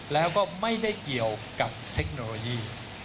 แล้วก็ไม่ได้เกี่ยวกับเทคโนโลยี